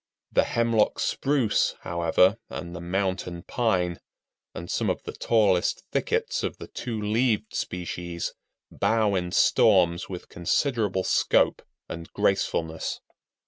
The Hemlock Spruce, however, and the Mountain Pine, and some of the tallest thickets of the Two leaved species bow in storms with considerable scope and gracefulness.